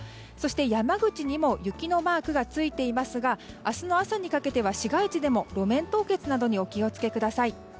山口にも雪のマークがついていますが明日の朝にかけては市街地でも路面凍結などにお気をつけください。